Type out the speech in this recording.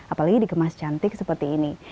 apalagi dikemas cantik seperti ini